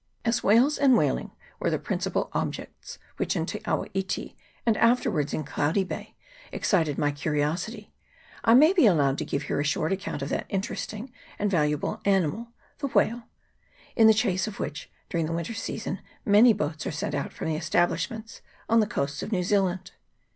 As whales and whaling were the principal ob jects which in Te awa iti, and afterwards in Cloudy Bay, excited my curiosity, I may be allowed to give here a short account of that interesting and valu 42 WHALES AND WHALERS. [PART I. able animal the whale ; in the chase of which, dur ing the winter season, many boats are sent out from the establishments on the coasts of New Zealand.